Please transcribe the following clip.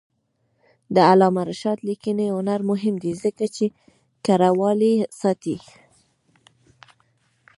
د علامه رشاد لیکنی هنر مهم دی ځکه چې کرهوالي ساتي.